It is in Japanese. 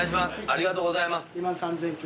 ありがとうございます。